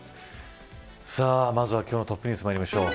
さあ、まずは今日のトップニュースまいりましょう。